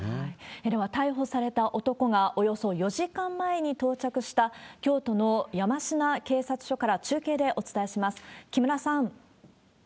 では、逮捕された男がおよそ４時間前に到着した京都の山科警察署から中継でお伝えします。